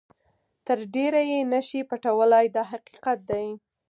تر ډېره یې نه شئ پټولای دا حقیقت دی.